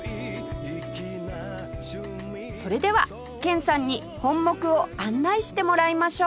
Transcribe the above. それでは剣さんに本牧を案内してもらいましょう